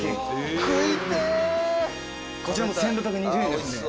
「こちらも１６２０円ですね」